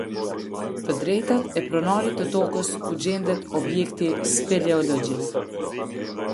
Të drejtat e pronarit të tokës ku gjendet objekti speleologjik.